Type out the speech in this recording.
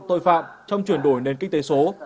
tội phạm trong chuyển đổi nền kinh tế số